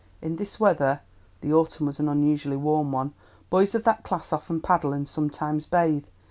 In this weather" (the autumn was an unusually warm one) "boys of that class often paddle and sometimes bathe.